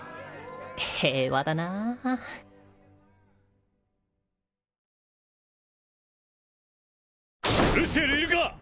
平和だなルシエルいるか！